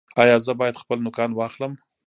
ایا زه باید خپل نوکان واخلم؟